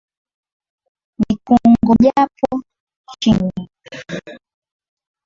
Nikungojapo chini,